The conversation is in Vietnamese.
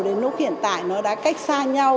đến lúc hiện tại nó đã cách xa nhau